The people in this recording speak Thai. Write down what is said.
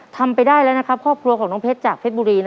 ทำไปได้แล้วนะครับครอบครัวของน้องเพชรจากเพชรบุรี